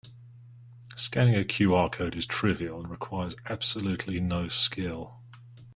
Scanning a QR code is trivial and requires absolutely no skill.